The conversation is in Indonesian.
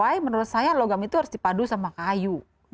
tapi menurut saya logam itu harus dipadu sama kayu